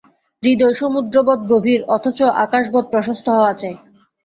হৃদয় সমুদ্রবৎ গভীর অথচ আকাশবৎ প্রশস্ত হওয়া চাই।